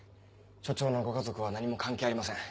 署長のご家族は何も関係ありません。